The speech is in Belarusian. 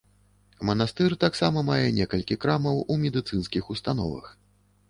Манастыр таксама мае некалькі крамаў у медыцынскіх установах.